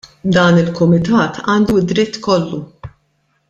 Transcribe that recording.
Dan il-Kumitat għandu d-dritt kollu.